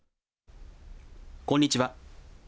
こんにちは。